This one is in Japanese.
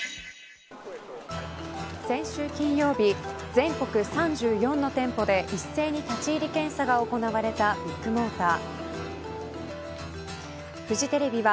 先週金曜日全国３４の店舗で一斉に立ち入り検査が行われたビッグモーター。